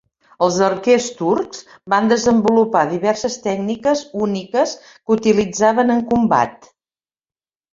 Els arquers turcs van desenvolupar diverses tècniques úniques que utilitzaven en combat.